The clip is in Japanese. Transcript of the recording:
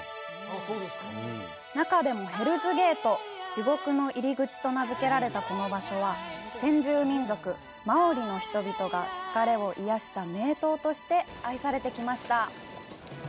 中でも「ヘルズゲート」＝「地獄の入り口」と名づけられたこの場所は、先住民族、マオリの人々が疲れを癒やした名湯として愛されてきました。